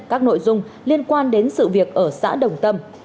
các nội dung liên quan đến sự việc ở xã đồng tâm